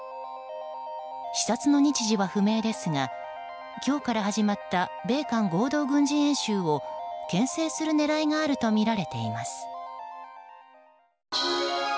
視察の日時は不明ですが今日から始まった米韓合同軍事演習を牽制する狙いがあるとみられています。